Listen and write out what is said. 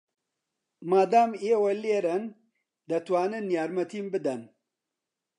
مادام ئێوە لێرەن، دەتوانن یارمەتیم بدەن.